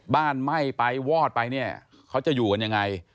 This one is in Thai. ไหม้ไปวอดไปเนี่ยเขาจะอยู่กันยังไง